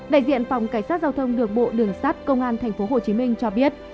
đại diện phòng cảnh sát giao thông đường bộ đường sát công an tp hcm cho biết